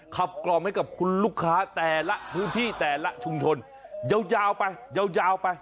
กล่อมให้กับคุณลูกค้าแต่ละพื้นที่แต่ละชุมชนยาวไปยาวไป